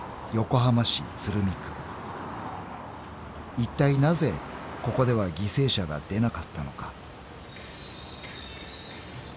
［いったいなぜここでは犠牲者が出なかったのか］